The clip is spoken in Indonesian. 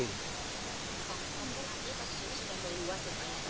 kak kamu pasti sudah beri kuasa